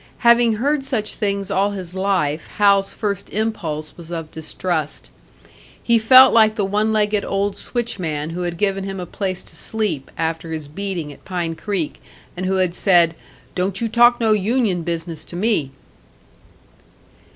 Having heard such things all his life, Hal's first impulse was of distrust. He felt like the one legged old switchman who had given him a place to sleep, after his beating at Pine Creek, and who had said, "Don't you talk no union business to me!"